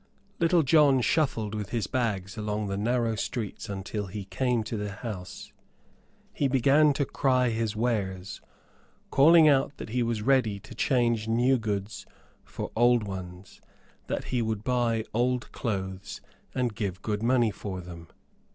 Little John shuffled with his bags along the narrow streets until he came to the house. He began to cry his wares, calling out that he was ready to change new goods for old ones, that he would buy old clothes and give good money for them.